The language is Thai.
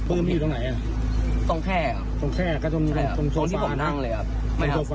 ปืนมันอยู่ตรงไหนอ่ะตรงแคล่ครับตรงแคล่ตรงโซฟานะตรงที่ผมนั่งเลยครับ